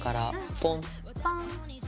ポン！